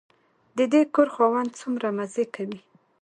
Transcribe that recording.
د دې کور خاوند څومره مزې کوي.